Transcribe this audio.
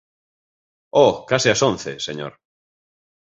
Oh, case as once, señor.